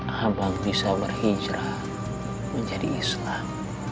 abang bisa berhijrah menjadi islam